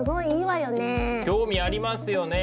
興味ありますよね。